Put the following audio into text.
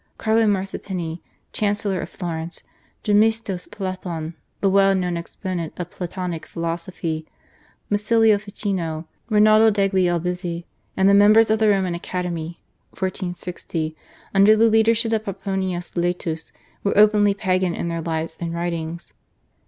Carlo Marsuppini, Chancellor of Florence, Gemistos Plethon, the well known exponent of Platonic philosophy, Marsilio Ficino, Rinaldo degli Albizzi, and the members of the Roman Academy (1460), under the leadership of Pomponius Laetus, were openly Pagan in their lives and writings.